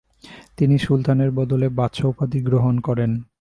তিনি সুলতানের বদলে বাদশাহ উপাধি গ্রহণ করেন।